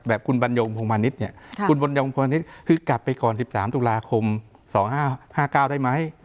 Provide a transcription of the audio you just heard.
แบบคุณบรรยงบุคมานิดคือกลับไปก่อน๑๓ศุลาคม๑๙๕๙ได้ไหม